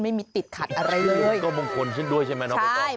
ไม่มีติดขัดอะไรเลยก็มงคลขึ้นด้วยใช่ไหมน้องใบตอง